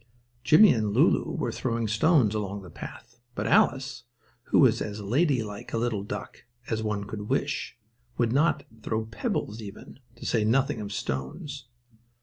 Jimmie and Lulu were throwing stones along the path, but Alice, who was as ladylike a little duck as one could wish, would not throw pebbles even, to say nothing of stones.